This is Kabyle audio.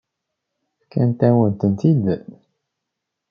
Fkant-awen-tent-id.